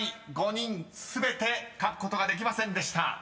５人全て書くことができませんでした］